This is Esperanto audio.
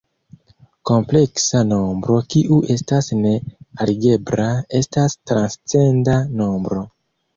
Kompleksa nombro kiu estas ne algebra estas transcenda nombro.